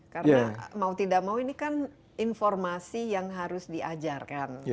karena mau tidak mau ini kan informasi yang harus diajarkan